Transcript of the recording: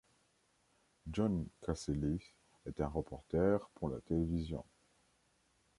John Cassellis est un reporter pour la télévision.